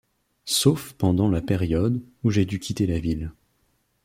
Sauf pendant la période où j'ai dû quitter la ville.